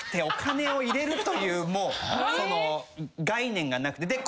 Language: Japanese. お金を入れるという概念がなくて。